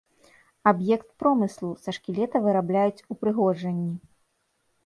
Аб'ект промыслу, са шкілета вырабляюць упрыгожанні.